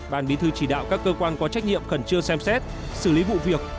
ban bí thư chỉ đạo các cơ quan có trách nhiệm cần chưa xem xét xử lý vụ việc